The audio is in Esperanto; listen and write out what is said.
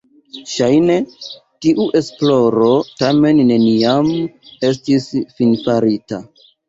Ŝajne tiu esploro tamen neniam estis finfarita.